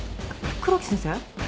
黒木先生？